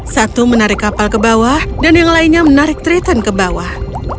satu menarik kapal ke bawah dan yang lainnya menarik triton ke bawah